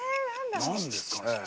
何ですかね。